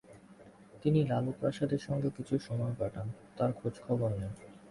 তিনি লালু প্রসাদের সঙ্গে কিছু সময়ও কাটান এবং তাঁর খোঁজখবর নেন।